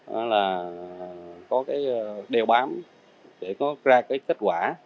đó là có cái đeo bám để có ra cái kết quả